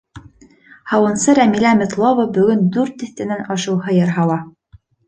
Һауынсы Рәмилә Метлова бөгөн дүрт тиҫтәнән ашыу һыйыр һауа.